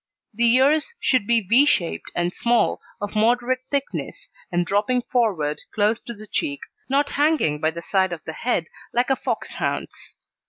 The Ears should be V shaped and small, of moderate thickness, and dropping forward close to the cheek, not hanging by the side of the head like a Foxhound's.